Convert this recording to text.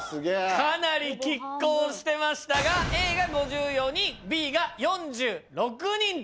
かなり拮抗してましたがＡが５４人Ｂが４６人と。